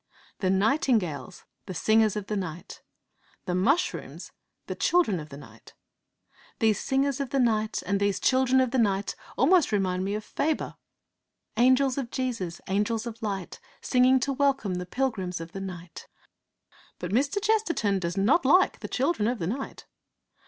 The nightingales the singers of the night! The mushrooms the children of the night! These singers of the night, and these 'children of the night,' almost remind me of Faber: Angels of Jesus, angels of light, Singing to welcome the pilgrims of the night! But Mr. Chesterton does not like 'the children of the night.'